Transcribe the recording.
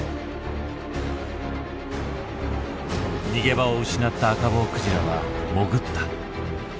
逃げ場を失ったアカボウクジラは潜った。